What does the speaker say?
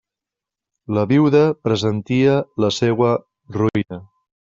La viuda pressentia la seua ruïna.